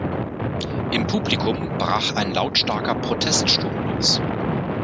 Im Publikum brach ein lautstarker Proteststurm los.